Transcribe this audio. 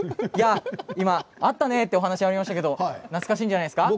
今、あったねというお話が出ましたけれども懐かしいんじゃないですか。